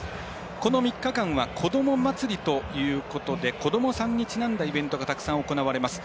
この３日間は子ども祭りということで子どもさんにちなんだイベントがたくさん行われます。